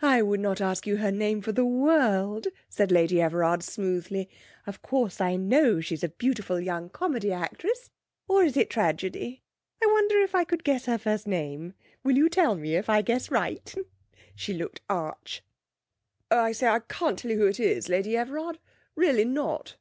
'I would not ask you her name for the world,' said Lady Everard smoothly. 'Of course I know she's a beautiful young comedy actress, or is it tragedy? I wonder if I could guess her first name? Will you tell me if I guess right?' She looked arch. 'Oh, I say, I can't tell you who it is, Lady Everard; really not.'